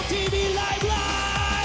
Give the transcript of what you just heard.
ライブ！」